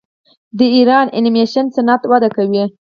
د ایران انیمیشن صنعت وده کوي.